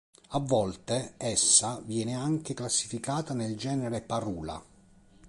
A volte essa viene anche classificata nel genere "Parula".